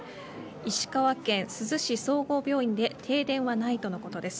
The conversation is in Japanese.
石川県珠洲市総合病院で停電はないとのことです。